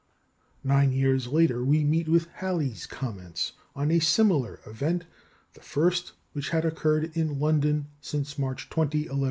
Nine years later we meet with Halley's comments on a similar event, the first which had occurred in London since March 20, 1140.